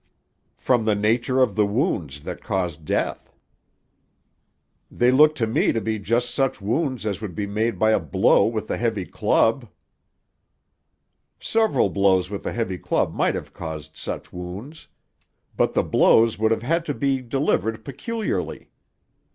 "From the nature of the wounds that caused death." "They look to me to be just such wounds as would be made by a blow with a heavy club." "Several blows with a heavy club might have caused such wounds. But the blows would have had to be delivered peculiarly.